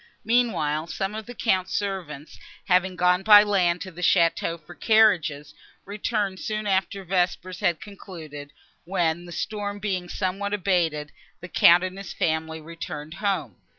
Meanwhile, some of the Count's servants, having gone by land to the château for carriages, returned soon after vespers had concluded, when, the storm being somewhat abated, the Count and his family returned home.